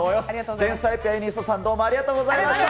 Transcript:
天才ピアニストさん、どうもありがとうございました。